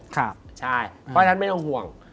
เพราะฉะนั้นไม่ต้องห่วง